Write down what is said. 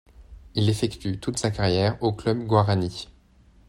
Il effectue toute sa carrière au Club Guarani.